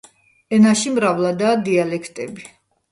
ენაში მრავლადაა დიალექტები.